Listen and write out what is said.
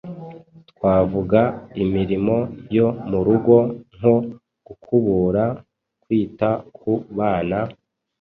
Twavuga imirimo yo mu rugo, nko gukubura, kwita ku bana,